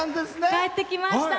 帰ってきました。